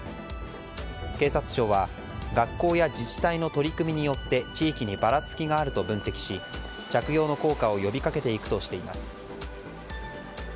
警察庁は学校や自治体の取り組みによって地域にばらつきがあると分析し着用の効果を呼びかけていくとしています。